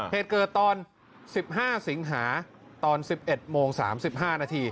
เหตุเกิดตอน๑๕สิงหาตอน๑๑โมง๓๕นาที